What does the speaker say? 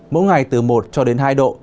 mỗi ngày từ một cho đến hai độ